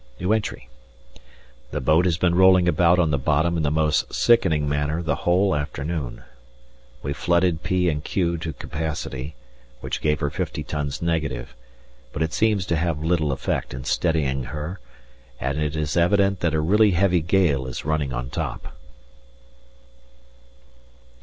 The boat has been rolling about on the bottom in the most sickening manner the whole afternoon. We flooded P and Q to capacity, which gave her 50 tons negative, but it seems to have little effect in steadying her, and it is evident that a really heavy gale is running on top.